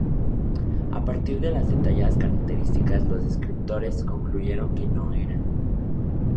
A partir de detalladas características los descriptores concluyeron que no era.